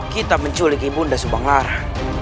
kita menculik ibu nda subang lara